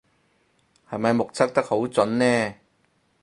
係咪目測得好準呢